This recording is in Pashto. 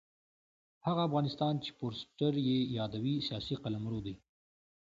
هغه افغانستان چې فورسټر یې یادوي سیاسي قلمرو دی.